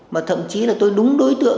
mà thậm chí là tôi đúng đối tượng